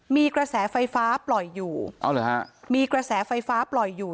มีกระแสไฟฟ้าปล่อยอยู่เอาเหรอฮะมีกระแสไฟฟ้าปล่อยอยู่